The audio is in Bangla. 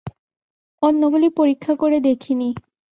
অন্যগুলি পরীক্ষা করে দেখি নি।